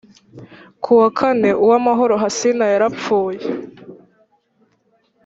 Ku wa kane Uwamahoro Hassina yarapfuye